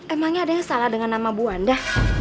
emangnya ada yang salah dengan nama bu wanda